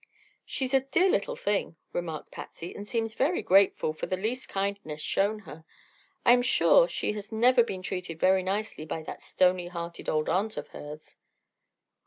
"She's a dear little thing," remarked Patsy, "and seems very grateful for the least kindness shown her. I am sure she has never been treated very nicely by that stony hearted old aunt of hers."